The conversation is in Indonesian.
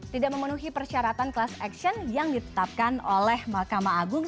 tidak memenuhi persyaratan class action yang ditetapkan oleh mahkamah agung